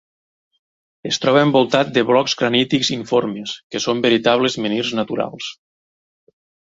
Es troba envoltat de blocs granítics informes que són veritables menhirs naturals.